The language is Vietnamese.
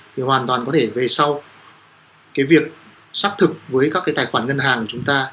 thì hoàn toàn có thể về sau việc xác thực với các tài khoản ngân hàng của chúng ta